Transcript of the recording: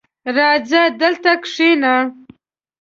راځه دلته کښېنه!